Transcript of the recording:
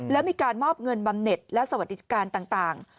แล้วมีการมอบเงินบำเน็ตและสวัสดิการต่าง